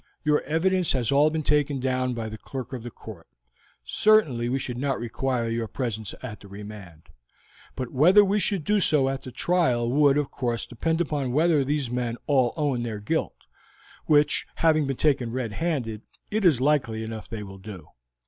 "Your evidence has all been taken down by the clerk of the court. Certainly we should not require your presence at the remand; but whether we should do so at the trial would, of course, depend upon whether these men all own their guilt, which, having been taken red handed, it is likely enough they will do.